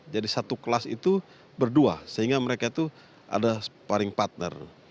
jadi satu kelas itu berdua sehingga mereka itu ada sparring partner